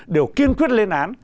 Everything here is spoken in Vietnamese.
đều kiên quyết lên án